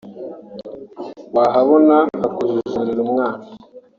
Wahabona hakujijurira umwana